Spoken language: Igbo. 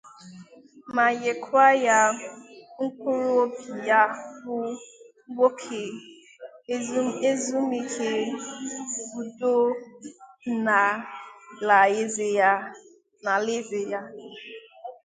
ma nyekwa ya mkpụrụ obi ya bụ nwoke ezumike udo n'alaeze ya.